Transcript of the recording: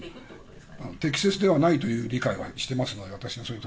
適切ではないという理解をしていますので。